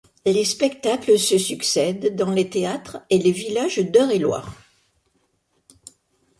Les spectacles se succèdent dans les théâtres et les villages d'Eure et loir.